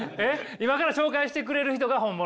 今から紹介してくれる人が本物？